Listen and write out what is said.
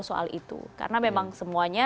soal itu karena memang semuanya